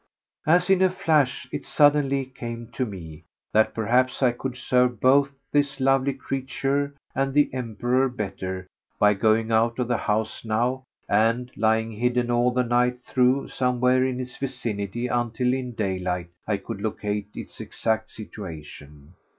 As in a flash it suddenly came to me that perhaps I could serve both this lovely creature and the Emperor better by going out of the house now, and lying hidden all the night through somewhere in its vicinity until in daylight I could locate its exact situation.